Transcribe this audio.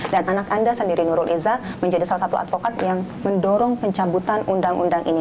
dan anak anda sendiri nurul izzah menjadi salah satu advokat yang mendorong pencabutan undang undang ini